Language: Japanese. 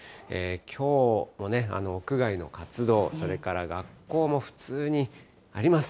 きょうもね、屋外の活動、それから学校も普通にあります。